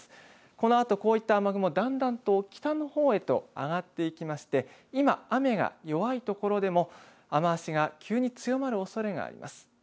このあとこういった雨雲、だんだんと北のほうへと上がっていきまして今、雨が弱いところでも雨足が急に強まるおそれがあります。